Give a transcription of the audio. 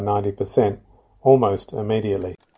dengan sembilan puluh persen hampir segera